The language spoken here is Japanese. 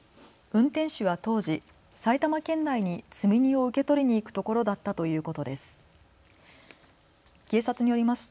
運転手は当時、埼玉県内に積み荷を受け取りに行くところだったということです。